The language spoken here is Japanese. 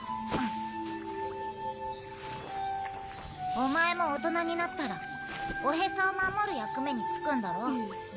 オマエも大人になったらおへそを守る役目に就くんだろ？